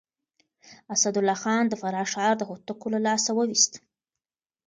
اسدالله خان د فراه ښار د هوتکو له لاسه وويست.